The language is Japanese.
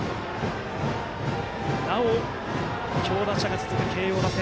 なお強打者が続く慶応打線。